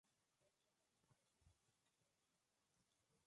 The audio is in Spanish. Cada una de las tumbas está decorada con un busto de bronce.